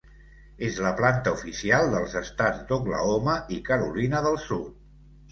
És la planta oficial dels estats d'Oklahoma i Carolina del Sud.